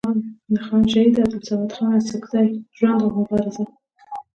د خان شهید عبدالصمد خان اڅکزي ژوند او مبارزه